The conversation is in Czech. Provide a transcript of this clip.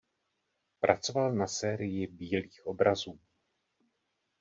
Pracoval na sérii "Bílých obrazů".